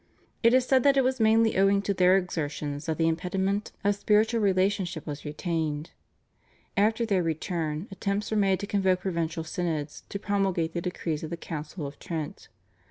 It is said that it was mainly owing to their exertions that the impediment of spiritual relationship was retained. After their return attempts were made to convoke provincial synods to promulgate the decrees of the Council of Trent.